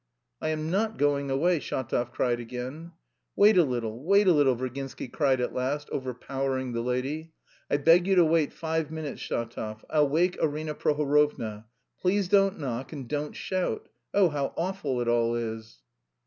"I am not going away!" Shatov cried again. "Wait a little, wait a little," Virginsky cried at last, overpowering the lady. "I beg you to wait five minutes, Shatov. I'll wake Arina Prohorovna. Please don't knock and don't shout.... Oh, how awful it all is!"